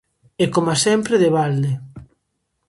E, coma sempre, de balde.